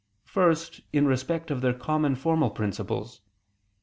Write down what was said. First, in respect of their common formal principles.